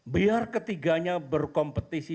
biar ketiganya berkompetisi